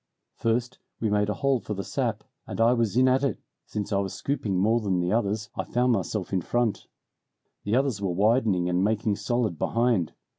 "First we made a hole for the sap, and I was in at it, since I was scooping more than the others I found myself in front. The others were widening and making solid behind.